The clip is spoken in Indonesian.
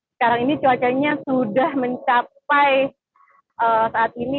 sekarang ini cuacanya sudah mencapai saat ini